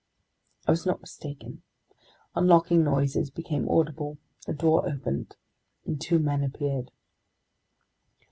I was not mistaken. Unlocking noises became audible, a door opened, and two men appeared.